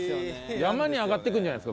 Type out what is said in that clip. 山に上がっていくんじゃないですか？